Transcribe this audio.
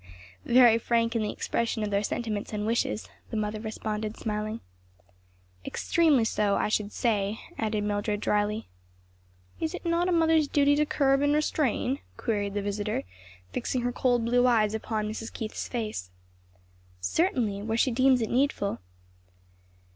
"Very frank in the expression of their sentiments and wishes," the mother responded smiling. "Extremely so, I should say;" added Mildred dryly. "Is it not a mother's duty to curb and restrain?" queried the visitor, fixing her cold blue eyes upon Mrs. Keith's face. "Certainly; where she deems it needful."